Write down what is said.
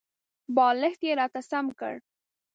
بالښت یې راته سم کړ .